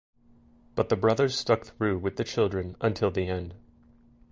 But the brothers stuck through with the children until the end.